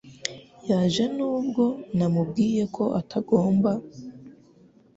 Yaje nubwo namubwiye ko atagomba